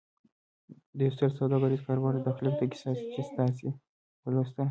د يوه ستر سوداګريز کاروبار د تخليق دا کيسه چې تاسې ولوسته.